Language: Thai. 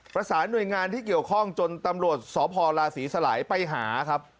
ประสานหน่วยงานที่เกี่ยวข้องจนตำรวจสพลาศรีสลายไปหาครับ